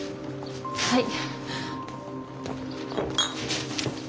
はい。